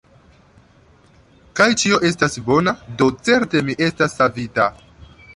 Kaj ĉio estas bona; do certe mi estas savita!